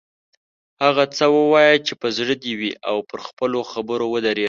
هغه څه ووایه چې په زړه دې وي او پر خپلو خبرو ودریږه.